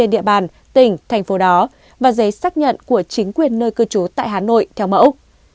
địa bàn tỉnh thành phố đó và giấy xác nhận của chính quyền nơi cư trú tại hà nội theo mẫu